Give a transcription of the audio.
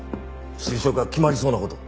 就職が決まりそうな事を。